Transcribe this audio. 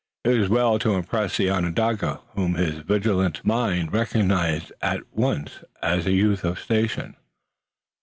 It was well also to impress the Onondaga, whom his vigilant mind recognized at once as a youth of station.